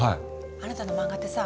あなたの漫画ってさ